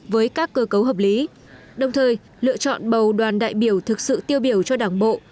với các cơ cấu hợp lý đồng thời lựa chọn bầu đoàn đại biểu thực sự tiêu biểu cho đảng bộ